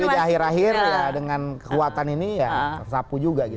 tapi di akhir akhir ya dengan kekuatan ini ya tersapu juga